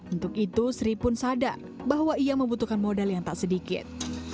untuk itu sri pun sadar bahwa ia membutuhkan modal yang tak sedikit